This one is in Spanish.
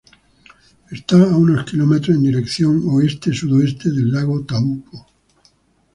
Está a unos kilómetros en dirección oeste-sudoeste del lago Taupo.